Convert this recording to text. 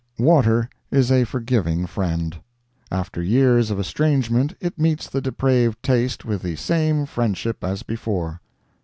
Water is a forgiving friend. After years of estrangement it meets the depraved taste with the same friendship as before.